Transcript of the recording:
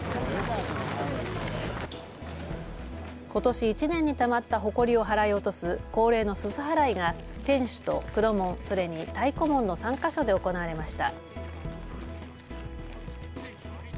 ことし１年にたまったほこりを払い落とす恒例のすす払いが天守と黒門、それに太鼓門の３か所で行われました。